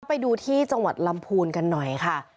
ไปดูที่จังหวัดลำพูนกันหน่อยค่ะ